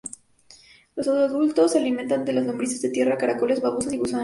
Los adultos se alimentan de las lombrices de tierra, caracoles, babosas, y gusanos.